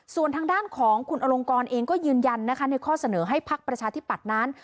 ส่วนทางด้านของคุณอลงกรเองก็ยืนยันนะคะในข้อเสนอให้พักประชาธิปัตย์นั้น